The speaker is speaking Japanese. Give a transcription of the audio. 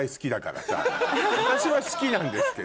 私は好きなんですけど。